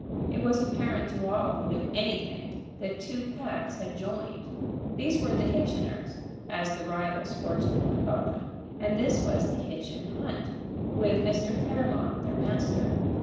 It was apparent to all who knew anything that two packs had joined. These were the Hitchiners, as the rival sportsmen would call them, and this was the Hitchin Hunt, with Mr. Fairlawn, their master.